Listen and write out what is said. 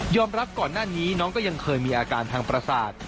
รับก่อนหน้านี้น้องก็ยังเคยมีอาการทางประสาท